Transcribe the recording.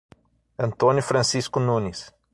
Antônio Francisco Nunes